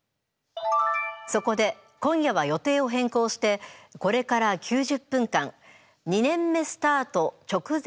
そこで今夜は予定を変更してこれから９０分間「２年目スタート直前！